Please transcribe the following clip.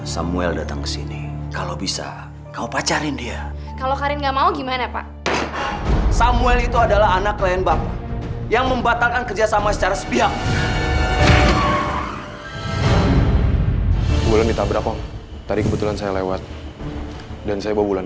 sampai jumpa di video selanjutnya